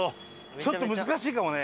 ちょっと難しいかもね。